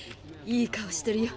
いい顔してるよ